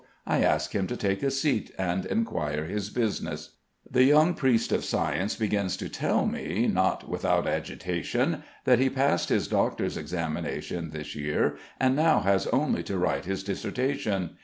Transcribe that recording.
I ask him to take a seat and inquire his business. The young priest of science begins to tell me, not without agitation, that he passed his doctor's examination this year, and now has only to write his dissertation.